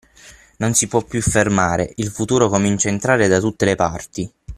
Non si può più fermare, il futuro comincia a entrare da tutte le parti.